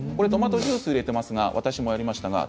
トマトジュースを入れていますが私もやってみました。